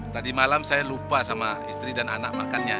tadi malam saya lupa sama istri dan anak makannya